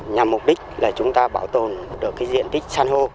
nhằm mục đích là chúng ta bảo tồn được cái diện tích san hô